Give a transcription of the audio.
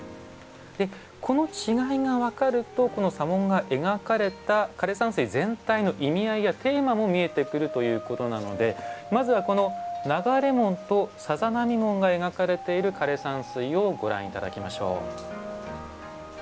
でこの違いが分かるとこの砂紋が描かれた枯山水全体の意味合いやテーマも見えてくるということなのでまずはこの「流れ紋」と「さざ波紋」が描かれている枯山水をご覧頂きましょう。